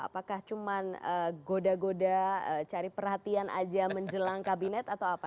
apakah cuma goda goda cari perhatian aja menjelang kabinet atau apa